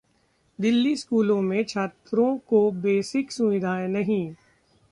दिल्ली: स्कूलों में छात्रों को बेसिक सुविधाएं नहीं